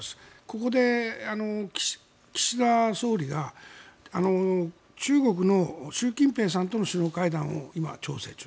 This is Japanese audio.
ここで、岸田総理が中国の習近平さんとの首脳会談を今、調整中。